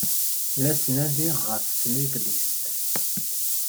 La ttnadiɣ ɣef tnedlist.